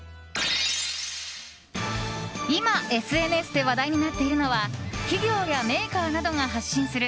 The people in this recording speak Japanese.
今、ＳＮＳで話題になっているのは企業やメーカーなどが発信する